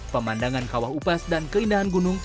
pemandangan kawah upas dan keindahan gunung